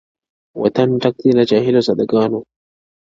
• وطن ډک دئ له جاهلو ساده گانو -